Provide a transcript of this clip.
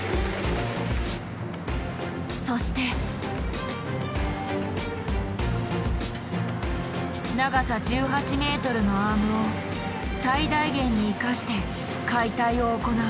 そして長さ１８ｍのアームを最大限に生かして解体を行う。